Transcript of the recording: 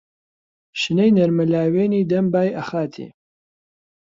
شنەی نەرمە لاوێنی دەم بای ئەخاتێ.